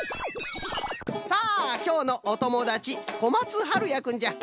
さあきょうのおともだちこまつはるやくんじゃ。